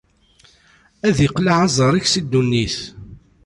Ad iqleɛ aẓar-ik si ddunit.